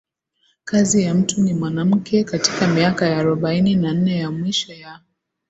kazi ya mtu ni mwanamke Katika miaka ya arobaini na nne ya mwisho ya